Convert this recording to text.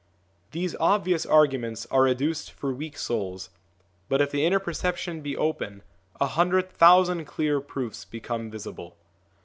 These obvious arguments are adduced for weak souls ; but if the inner perception be open, a hundred thousand clear proofs become visible.